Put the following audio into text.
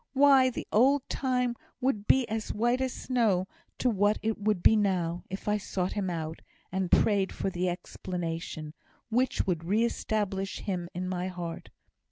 Why, the old time would be as white as snow to what it would be now, if I sought him out, and prayed for the explanation, which should re establish him in my heart.